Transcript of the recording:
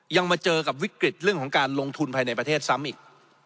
มาเจอกับวิกฤตเรื่องของการลงทุนภายในประเทศซ้ำอีก